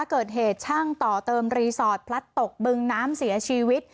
เกิดเหตุช่างต่อเติมรีสอร์ทพลัดตกบึงน้ำเสียชีวิต